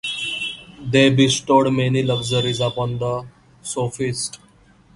They bestowed many luxuries upon the sophist.